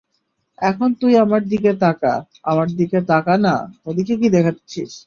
এখন তুই আমার দিকে তাকা, আমার দিকে তাকানা, ওদিক কি দেখাচ্ছিস?